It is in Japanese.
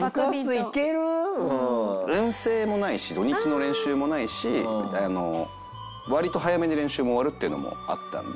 遠征もないし土日の練習もないし割と早めに練習も終わるっていうのもあったんで。